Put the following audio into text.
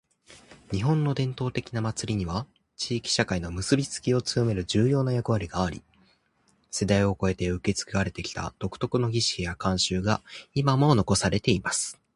•「日本の伝統的な祭りには、地域社会の結びつきを強める重要な役割があり、世代を超えて受け継がれてきた独特の儀式や慣習が今も残されています。」